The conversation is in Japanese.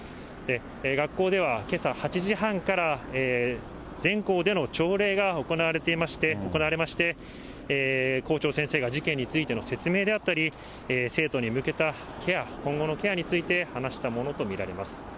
学校では、けさ８時半から全校での朝礼が行われまして、校長先生が事件についての説明であったり、生徒に向けたケア、今後のケアについて話したものと見られます。